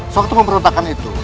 saat pemberontakan itu